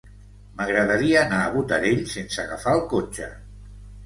M'agradaria anar a Botarell sense agafar el cotxe.